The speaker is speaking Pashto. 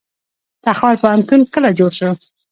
تخار پوهنتون کله جوړ شو؟